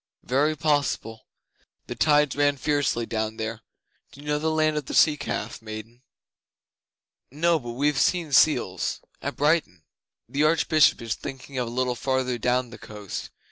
'Very possible. The tides ran fiercely down there. Do you know the land of the Sea calf, maiden?' 'No but we've seen seals at Brighton.' 'The Archbishop is thinking of a little farther down the coast.